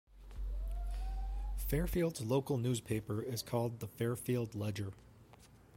Fairfield's local newspaper is called the Fairfield Ledger.